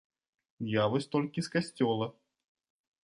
Я вось толькі з касцёла.